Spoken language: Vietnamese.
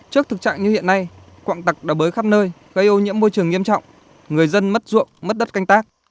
trước thực trạng như hiện nay quạng tặc đã bới khắp nơi gây ô nhiễm môi trường nghiêm trọng người dân mất ruộng mất đất canh tác